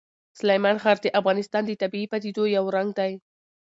سلیمان غر د افغانستان د طبیعي پدیدو یو رنګ دی.